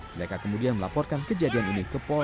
mereka kemudian melaporkan kejadian ini ke polres